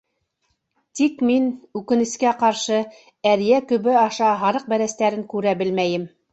Тик мин, үкенескә ҡаршы, әрйә көбө аша һарыҡ бәрәстәрен күрә белмәйем.